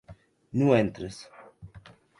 Non entres.